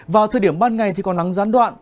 vào thời điểm ban ngày thì có nắng gián đoạn